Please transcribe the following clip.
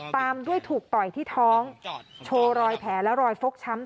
ตามด้วยถูกต่อยที่ท้องโชว์รอยแผลและรอยฟกช้ำ